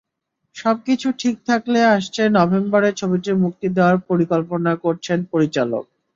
সবকিছু ঠিক থাকলে আসছে নভেম্বরে ছবিটি মুক্তি দেওয়ার পরিকল্পনা করছেন পরিচালক।